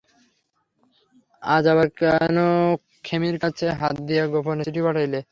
আজ আবার কেন খেমির হাত দিয়া আমাকে গোপনে চিঠি পাঠাইলে।